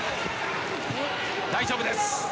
大丈夫です。